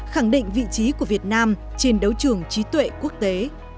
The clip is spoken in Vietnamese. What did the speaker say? khẳng định vị trí của việt nam trên đấu trường trí tuệ quốc tế